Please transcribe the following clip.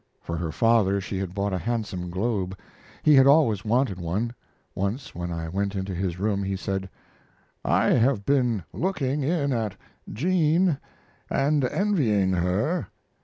For her father she had bought a handsome globe; he had always wanted one. Once when I went into his room he said: "I have been looking in at Jean and envying her.